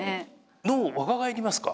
脳若返りますか？